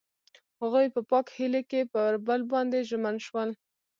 هغوی په پاک هیلې کې پر بل باندې ژمن شول.